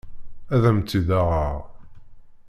Ad am-t-id-aɣeɣ.